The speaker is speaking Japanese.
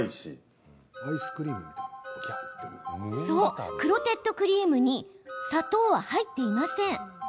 そう、クロテッドクリームに砂糖は入っていません。